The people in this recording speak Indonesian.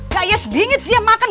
gaya sebinget sih yang makan